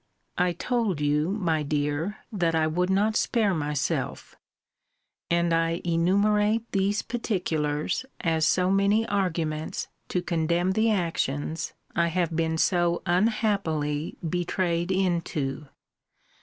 I told you, my dear, that I would not spare myself: and I enumerate these particulars as so many arguments to condemn the actions I have been so unhappily betrayed into.